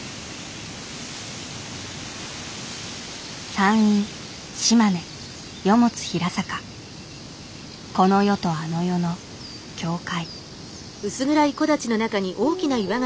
山陰島根この世とあの世の境界。